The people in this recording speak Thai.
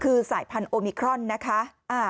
คือสายพันธุมิครอนนะคะ